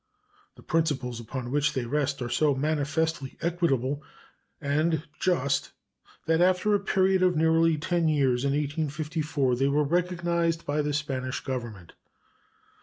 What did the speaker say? The principles upon which they rest are so manifestly equitable and just that, after a period of nearly ten years, in 1854 they were recognized by the Spanish Government.